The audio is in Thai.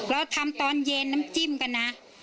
เราทำตอนเย็นน้ำจิ้มกันนะ